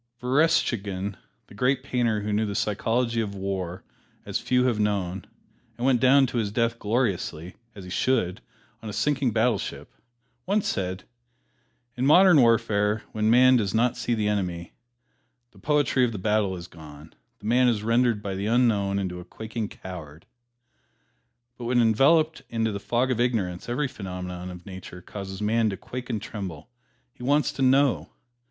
Verestchagin, the great painter who knew the psychology of war as few have known, and went down to his death gloriously, as he should, on a sinking battleship, once said, "In modern warfare, when man does not see his enemy, the poetry of the battle is gone, and man is rendered by the Unknown into a quaking coward." But when enveloped in the fog of ignorance every phenomenon of Nature causes man to quake and tremble he wants to know!